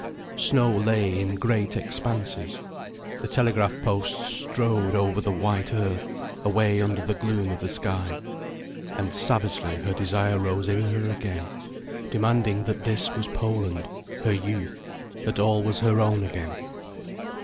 Snow lay in great expanses, the telegraph posts strode over the white earth, away under the gloom of the sky. And savagely her desire rose in her again, demanding that this was Poland, her youth, that all was her own again.